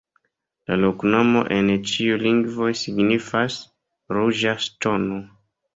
La loknomo en ĉiuj lingvoj signifas: ruĝa ŝtono.